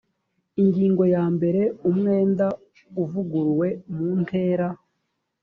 ingingo ya mbere umwenda uvuguruwe muntera